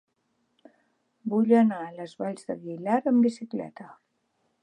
Vull anar a les Valls d'Aguilar amb bicicleta.